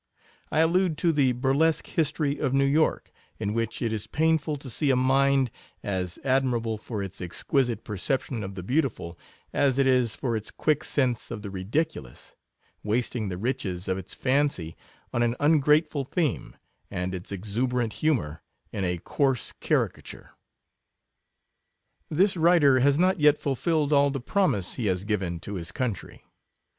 I allude to the burlesque history of New York, in which it is painful to see a mind, as admirable for its exquisite perception of the beautiful, as it is for its quick sense of the ridiculous, wasting the riches of its fancy on an ungrateful theme, and its exuberant humour in a coarse caricature. " This writer has not yet fulfilled all the promise he has given to his country.